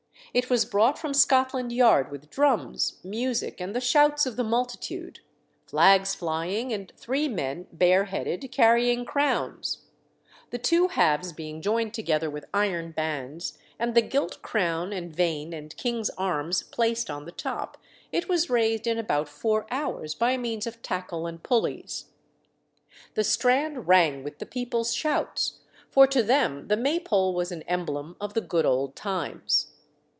It was brought from Scotland Yard with drums, music, and the shouts of the multitude; flags flying, and three men bare headed carrying crowns. The two halves being joined together with iron bands, and the gilt crown and vane and king's arms placed on the top, it was raised in about four hours by means of tackle and pulleys. The Strand rang with the people's shouts, for to them the Maypole was an emblem of the good old times.